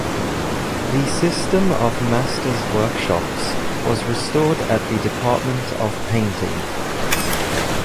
The system of master's workshops was restored at the Department of Painting.